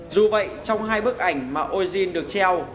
dù vậy trong hai bức ảnh mà ozin được treo